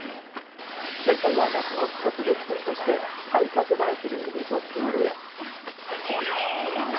前回は夏の特別編として、体格映えする海とプールへ。